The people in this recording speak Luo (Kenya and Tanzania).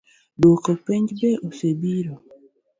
Duoko penj be osebiro?